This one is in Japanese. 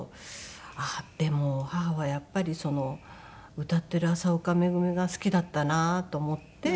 あっでも母はやっぱり歌っている麻丘めぐみが好きだったなと思って。